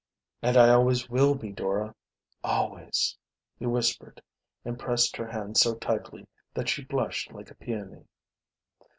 "And I always will be, Dora, always!" he whispered, and pressed her hand so tightly that she blushed like a peony.